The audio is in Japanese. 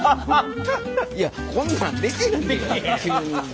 いやこんなんできひんで急に。